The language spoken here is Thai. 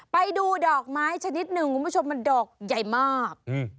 ไปดูดอกไม้ชนิดหนึ่งคุณผู้ชมมันดอกใหญ่มาก